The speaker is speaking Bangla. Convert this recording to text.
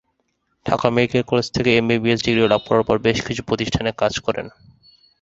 ঢাকা মেডিকেল কলেজ থেকে এমবিবিএস ডিগ্রি লাভ করার পর বেশ কিছু প্রতিষ্ঠানে কাজ করেন।